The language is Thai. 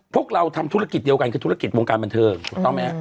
พวกเราทำธุรกิจเดียวกันคือธุรกิจวงการบันเทิงถูกต้องไหมฮะ